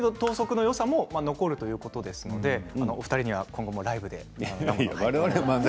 ただ、等速のよさも残るということなのでお二人には今後も内部で。